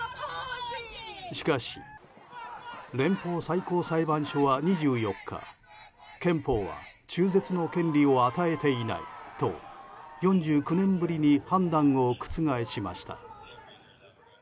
しかし、連邦最高裁判所は２４日憲法は中絶の権利を与えていないと４９年ぶりに判断を覆しました。